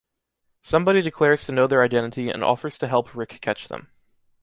Somebody declares to know their identity and offers to help Ric catch them.